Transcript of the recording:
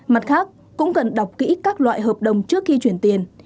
mặt khác cũng cần đọc kỹ các loại hợp đồng trước khi chuyển tiền